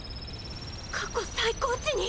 過去最高値に！